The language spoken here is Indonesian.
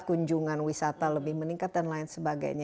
kunjungan wisata lebih meningkat dan lain sebagainya